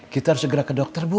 kita harus segera ke dokter bu